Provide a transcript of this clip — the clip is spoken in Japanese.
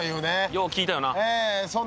よう聞いたよな。